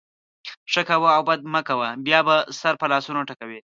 ښه کوه او بد مه کوه؛ بیا به سر په لاسونو ټکوې.